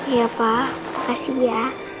iya pak makasih ya